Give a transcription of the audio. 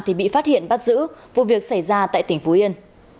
thì bị phát hiện bắt giữ vụ việc xảy ra tại tỉnh phú yên